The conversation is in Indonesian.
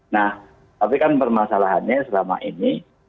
nah tapi kan permasalahannya selama ini